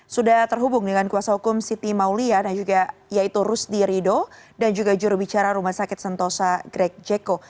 sudah terhubung dengan kuasa hukum siti maulia dan juga yaitu rusdi rido dan juga jurubicara rumah sakit sentosa greg jeko